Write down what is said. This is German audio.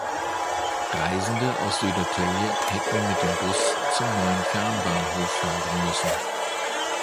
Reisende aus Södertälje hätten mit dem Bus zum neuen Fernbahnhof fahren müssen.